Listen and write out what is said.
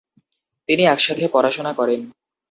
তিনি একসাথে পড়াশোনা করেন।